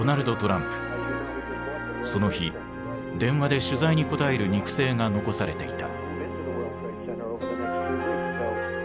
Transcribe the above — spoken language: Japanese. その日電話で取材に答える肉声が残されていた。